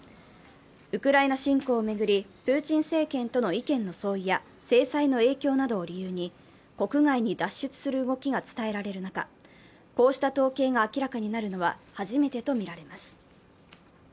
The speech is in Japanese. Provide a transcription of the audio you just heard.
ウクライナ侵攻を巡り、プーチン政権との意見の相違や制裁の影響などを理由に国外に脱出する動きが伝えられる中こうした統計が明らかになるのは初めてとみられます。